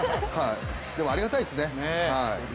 でも、ありがたいですね。